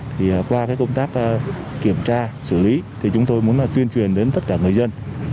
thì qua cái công tác kiểm tra xử lý thì chúng tôi muốn tuyên truyền đến tất cả người dân